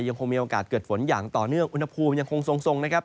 ยังคงมีโอกาสเกิดฝนอย่างต่อเนื่องอุณหภูมิยังคงทรงนะครับ